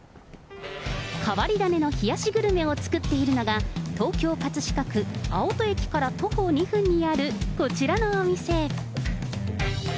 変わり種の冷やしグルメを作っているのが、東京・葛飾区、あおと駅から徒歩２分にあるこちらのお店。